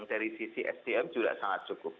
dari sisi sdm juga sangat cukup